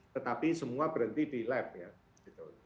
tetapi semua berhenti di lab ya gitu